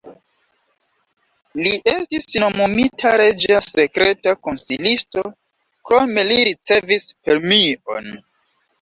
Li estis nomumita reĝa sekreta konsilisto, krome li ricevis premion.